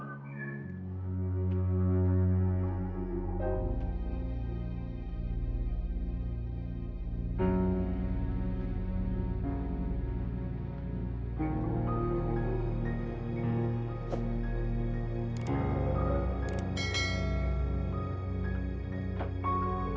kami memutuskan untuk berpindah key enables